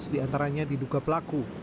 tiga belas diantaranya diduga pelaku